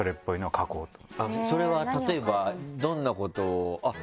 それは例えばどんなことをあっ